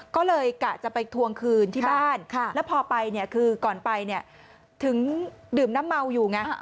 ก็เลยกะจะไปทวงคืนที่บ้านแล้วพอไปเนี่ยคือก่อนไปเนี่ยถึงดื่มน้ำเมาอยู่ไง